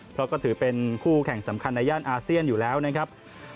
เพราะก็ถือเป็นคู่แข่งสำคัญในย่านอาเซียนอยู่แล้วนะครับ